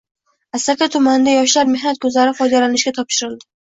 Asaka tumanida “Yoshlar mehnat guzari” foydalanishga topshirildi